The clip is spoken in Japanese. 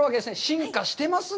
進化してますね。